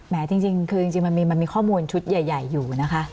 แหมจริงจริงคือจริงจริงมันมีมันมีข้อมูลชุดใหญ่ใหญ่อยู่นะคะ